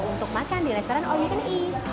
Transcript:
untuk makan di restoran all you can e